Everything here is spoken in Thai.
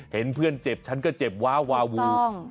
เห็นเพื่อนเจ็บฉันก็เจ็บว้าวาวู